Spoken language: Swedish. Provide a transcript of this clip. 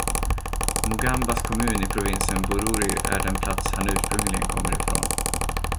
Mugambas kommun i provinsen Bururi är den plats han ursprungligen kommer ifrån.